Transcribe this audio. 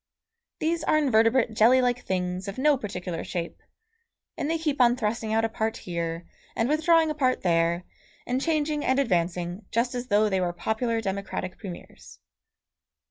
These are invertebrate jelly like things of no particular shape, and they keep on thrusting out a part here, and withdrawing a part there, and changing and advancing just as though they were popular democratic premiers.